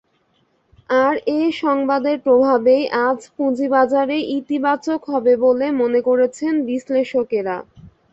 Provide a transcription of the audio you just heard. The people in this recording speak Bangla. আর এ সংবাদের প্রভাবেই আজ পুঁজিবাজারে ইতিবাচক হবে বলে মনে করছেন বিশ্লেষকেরা।